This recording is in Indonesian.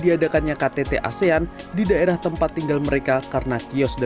ada yang mau disampaikan kepada bapak jokowi